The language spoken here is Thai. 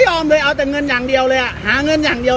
อมเลยเอาแต่เงินอย่างเดียวเลยอ่ะหาเงินอย่างเดียว